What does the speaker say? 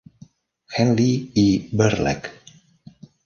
Henley i Birlec.